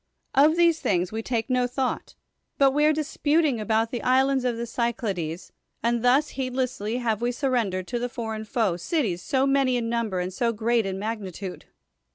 Of these things we take no thought, but we are dis puting about the islands of the Cyclades, and thus heedlessly have we surrendered to the for eign foe cities so many in number and so great in magnitude.